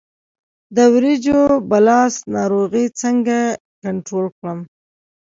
د وریجو بلاست ناروغي څنګه کنټرول کړم؟